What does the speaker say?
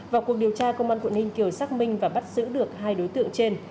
vào cuộc điều tra công an quận ninh kiều xác minh và bắt giữ được hai đối tượng trên